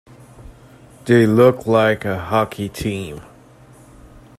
They look like a hockey team.